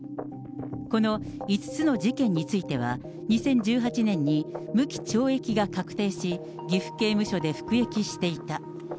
この５つの事件については、２０１８年に無期懲役が確定し、岐阜刑務所で服役していた。